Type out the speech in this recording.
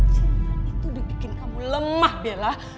cinta itu udah bikin kamu lemah bella